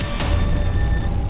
tidak ada yang bisa dipercaya